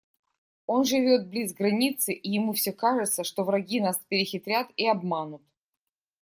Он живет близ границы, и ему все кажется, что враги нас перехитрят и обманут.